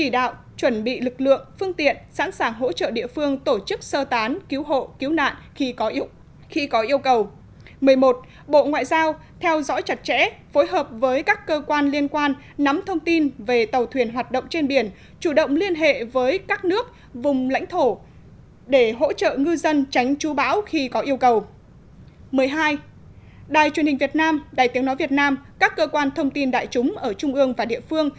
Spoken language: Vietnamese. một mươi hai đài truyền hình việt nam đài tiếng nói việt nam các cơ quan thông tin đại chúng ở trung ương và địa phương